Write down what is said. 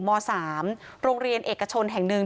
ม๓โรงเรียนเอกชนแห่งหนึ่ง